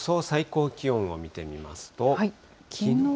最高気温を見てみますと。